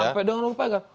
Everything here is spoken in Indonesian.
sampai dengan goyang pagar